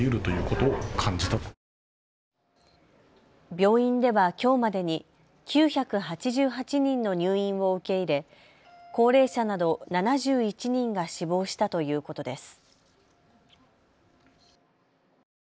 病院ではきょうまでに９８８人の入院を受け入れ高齢者など７１人が死亡したということです。